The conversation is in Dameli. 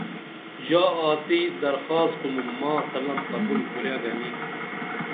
ژا آڅی درخاص کنوم ماں سلم قبول کُرے گنی